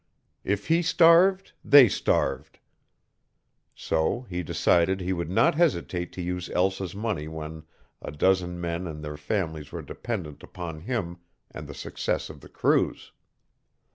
If he starved, they starved. So he decided he would not hesitate to use Elsa's money when a dozen men and their families were dependent upon him and the success of the cruise.